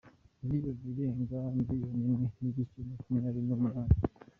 Miliyoni irenga miriyoni imwe n’ibice makumyabiri n;’umunani